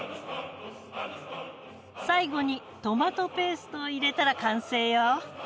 最後にトマトペーストを入れたら完成よ！